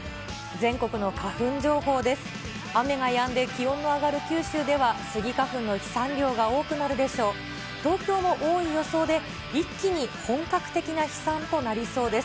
全国の花粉情報です。